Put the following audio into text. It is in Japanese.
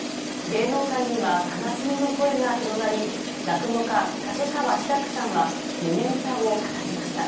芸能界には悲しみの声が広がり、落語家、立川志らくさんは、無念さを語りました。